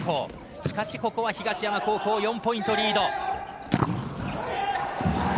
しかし、ここは東山高校４ポイントリード。